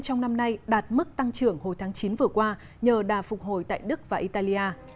trong năm nay đạt mức tăng trưởng hồi tháng chín vừa qua nhờ đà phục hồi tại đức và italia